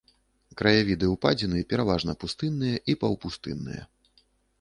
Краявіды ўпадзіны пераважна пустынныя і паўпустынныя.